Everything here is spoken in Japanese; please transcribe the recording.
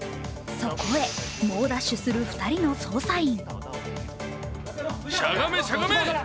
そこへ、猛ダッシュする２人の捜査員。